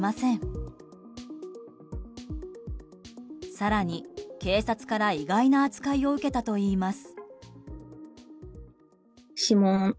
更に警察から意外な扱いを受けたといいます。